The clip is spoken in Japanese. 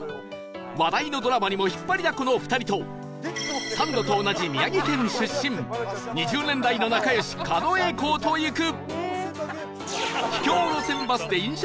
話題のドラマにも引っ張りだこの２人とサンドと同じ宮城県出身２０年来の仲良し狩野英孝と行く